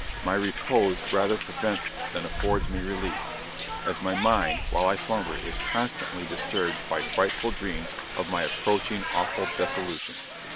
my repose rather prevents than affords me relief, as my mind, while I slumber, is constantly disturbed by frightful dreams of my approaching awful dissolution!"